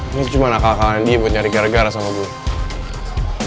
ini cuma nakal nakalan dia buat nyari kehargaan sama gue